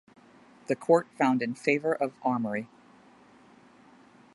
The Court found in favour of Armory.